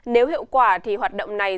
nếu hiệu quả thì hoạt động này